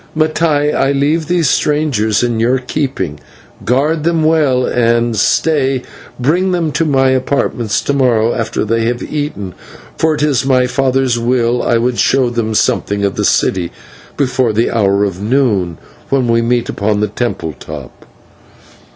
Mattai, I leave these strangers in your keeping. Guard them well and, stay, bring them to my apartments to morrow after they have eaten, for if it is my father's will, I would show them something of the city before the hour of noon, when we meet upon the temple top."